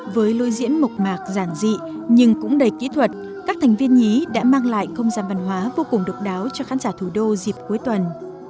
với lôi diễn mộc mạc giản dị nhưng cũng đầy kỹ thuật các thành viên nhí đã mang lại không gian văn hóa vô cùng độc đáo cho khán giả thủ đô dịp cuối tuần